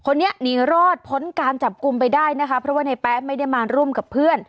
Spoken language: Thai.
คนนี้หนีรอดพ้นการจับกลุ่มไปได้นะคะเพราะว่าในแป๊ะไม่ได้มาร่วมกับเพื่อน